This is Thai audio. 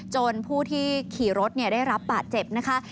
จนผู้ที่ขี่รถเนี่ยได้รับปะเจ็บนะคะ